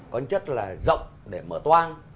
có chất là rộng để mở toan